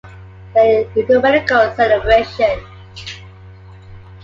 There an ecumenical celebration.